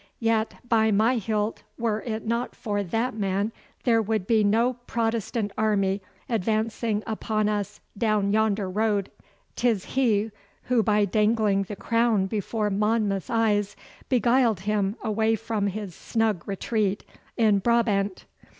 'Yet, by my hilt, were it not for that man there would be no Protestant army advancing upon us down yonder road. 'Tis he who by dangling the crown before Monmouth's eyes beguiled him away from his snug retreat in Brabant.